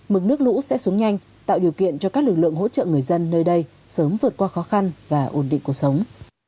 mực nước lũ sẽ xuống nhanh tạo điều kiện cho các lực lượng hỗ trợ người dân nơi đây sớm vượt qua khó khăn và ổn định cuộc sống